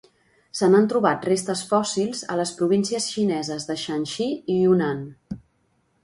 Se n'han trobat restes fòssils a les províncies xineses de Shaanxi i Yunnan.